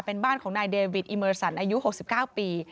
เป็นบ้านของนายเดวิดอิเมอร์สันอายุ๖๙ปี